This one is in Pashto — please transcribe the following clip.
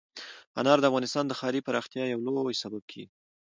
انار د افغانستان د ښاري پراختیا یو لوی سبب کېږي.